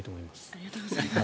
ありがとうございます。